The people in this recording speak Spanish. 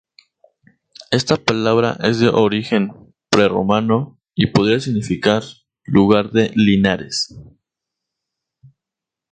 Esta palabra es de origen prerromano, y podría significar ‘lugar de linares’.